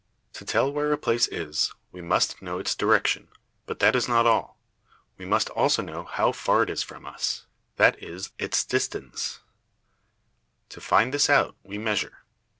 To tell where a place is, we must know its direction. But this is not all; we must also know how far it is from us; that is; its distance. To find this out we measure.